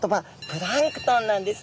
プランクトンなんですね。